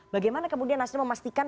bagaimana kemudian nasdem memastikan